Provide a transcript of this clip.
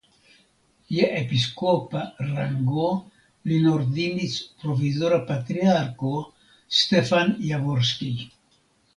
Je episkopa rango lin ordinis provizora patriarko Stefan Javorskij.